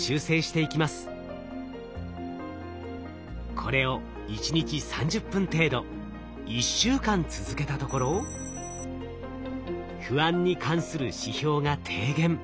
これを１日３０分程度１週間続けたところ不安に関する指標が低減。